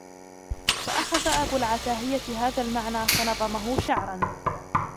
فَأَخَذَ أَبُو الْعَتَاهِيَةِ هَذَا الْمَعْنَى فَنَظَمَهُ شَعْرًا